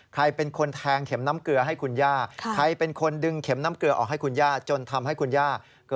คุณแก่ไงคุณแผลก็รักษายาก